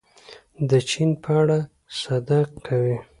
د چین په اړه صدق کوي.